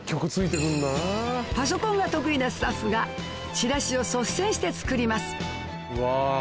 パソコンが得意なスタッフがチラシを率先して作ります